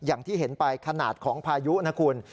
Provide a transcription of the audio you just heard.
อย่างที่เห็นไปขนาดของพายุนะคุณ